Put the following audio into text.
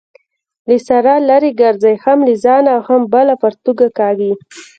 له سارا لري ګرځئ؛ هم له ځانه او هم بله پرتوګ کاږي.